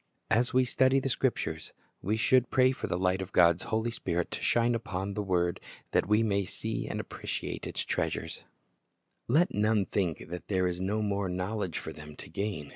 As we study the Scriptures, we should pray for the light of God's Holy Spirit to shine upon the word, that we may see and appre ciate its treasures. REWARD OF SEARCHING Let none think that there is no more knowledge for them to gain.